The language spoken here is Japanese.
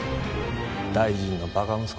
大臣のばか息子